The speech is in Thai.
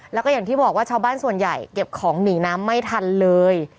แล้วก็อย่างที่บอกว่าชาวบ้านส่วนใหญ่เก็บของหนีน้ำไม่ทันเลย